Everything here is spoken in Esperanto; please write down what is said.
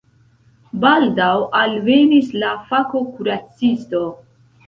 Baldaŭ alvenis la fako-kuracisto.